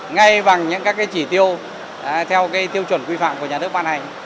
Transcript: ngay bằng những các cái chỉ tiêu theo cái tiêu chuẩn quy phạm của nhà nước ban hành